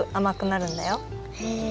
へえ。